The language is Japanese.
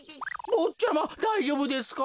ぼっちゃまだいじょうぶですか？